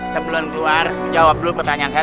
sebelum keluar menjawab dulu pertanyaan saya